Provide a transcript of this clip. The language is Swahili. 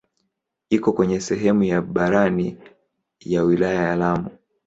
Iko kwenye sehemu ya barani ya wilaya ya Lamu.